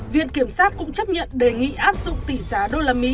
viện kiểm sát cũng chấp nhận đề nghị áp dụng tỷ giá đô la mỹ